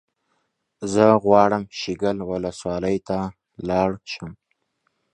زه غواړم شیګل ولسوالۍ ته لاړ شم